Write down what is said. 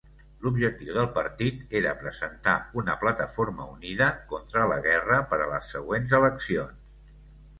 L'objectiu del partit era presentar una plataforma unida contra la guerra per a les següents eleccions.